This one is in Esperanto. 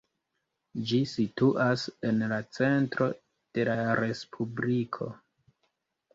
Ĝi situas en la centro de la respubliko.